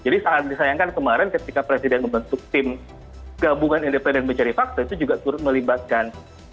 jadi sangat disayangkan kemarin ketika presiden membentuk tim gabungan independen pencari fakta itu juga turut melibatkan